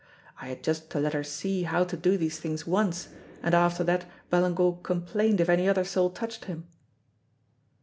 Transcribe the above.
I had just to let her see how to do these things once, and after that Ballingall complained if any other soul touched him."